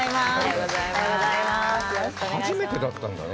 初めてだったんだね。